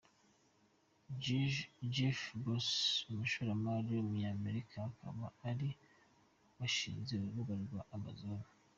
Jeff Bezos, umushoramari w’umunyamerika, akaba ariwe washinze urubuga rwa Amazon.